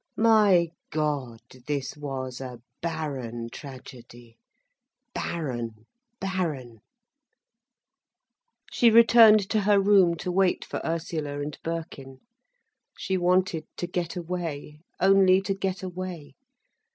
My God! this was a barren tragedy, barren, barren. She returned to her room to wait for Ursula and Birkin. She wanted to get away, only to get away.